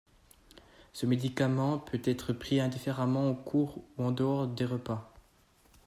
Ce médicament peut être pris indifféremment au cours ou en dehors des repas.